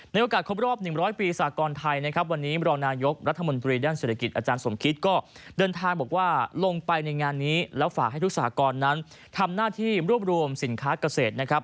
โอกาสครบรอบ๑๐๐ปีสากรไทยนะครับวันนี้รองนายกรัฐมนตรีด้านเศรษฐกิจอาจารย์สมคิตก็เดินทางบอกว่าลงไปในงานนี้แล้วฝากให้ทุกสากรนั้นทำหน้าที่รวบรวมสินค้าเกษตรนะครับ